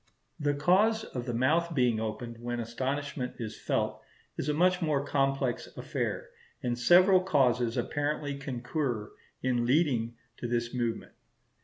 The cause of the mouth being opened when astonishment is felt, is a much more complex affair; and several causes apparently concur in leading to this movement.